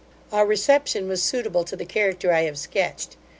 Our reception was suitable to the character I have sketched.